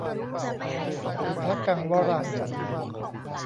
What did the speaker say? อุทะกังวะรัง